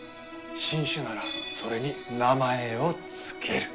新種ならそれに名前を付ける。